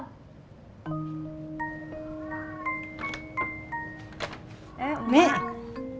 warahan aja terus demi